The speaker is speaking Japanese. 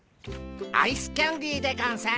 アイスキャンデーでゴンス。